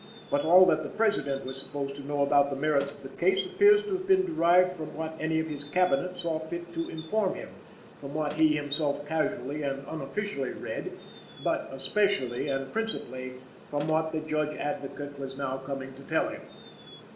But all that the President was supposed to know about the merits of the case appears to have been derived from what any of his Cabinet saw fit to inform him, from what he himself casually and unofficially read, but, especially and principally, from what the Judge Advocate was now coming to tell him.